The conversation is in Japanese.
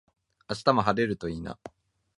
明日も晴れるといいな